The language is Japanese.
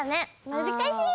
むずかしい！